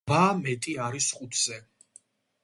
რვა მეტი არის ხუთზე.